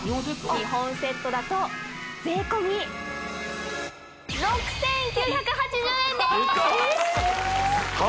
２本セットだと税込６９８０円です出た